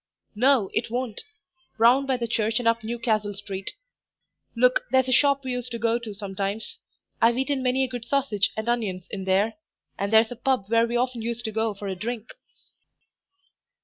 "No, it won't. Round by the church and up Newcastle Street.... Look, there's a shop we used to go to sometimes. I've eaten many a good sausage and onions in there, and that's a pub where we often used to go for a drink."